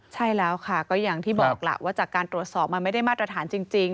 ใช่แล้วค่ะก็อย่างที่บอกล่ะว่าจากการตรวจสอบมันไม่ได้มาตรฐานจริง